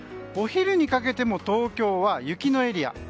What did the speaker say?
お昼にかけても東京は雪のエリア。